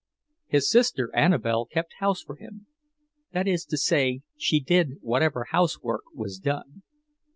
His sister Annabelle kept house for him; that is to say, she did whatever housework was done.